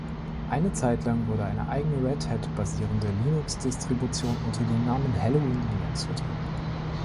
Eine Zeit lang wurde eine eigene Red-Hat-basierende Linuxdistribution unter dem Namen "Halloween Linux" vertrieben.